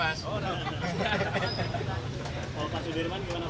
kalau pak sudirman gimana